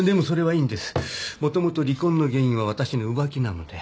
もともと離婚の原因は私の浮気なので。